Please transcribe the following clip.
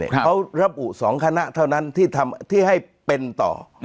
เขาระบุ๒คณะเท่านั้นที่ให้เป็นต่อ